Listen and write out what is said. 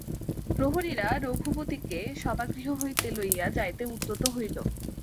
প্রহরীরা রঘুপতিকে সভাগৃহ হইতে লইয়া যাইতে উদ্যত হইল।